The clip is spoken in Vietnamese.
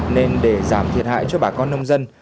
nên để giảm thiệt hại cho bà con nông dân